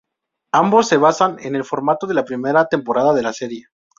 Ambos se basan en el formato de la primera temporada de la serie.